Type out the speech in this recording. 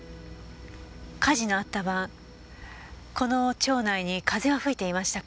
火事のあった晩この町内に風は吹いていましたか？